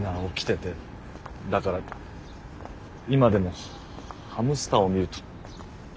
だから今でもハムスターを見ると。